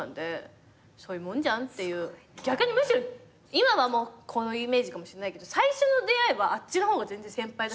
今はこのイメージかもしれないけど最初の出会いはあっちの方が全然先輩だし。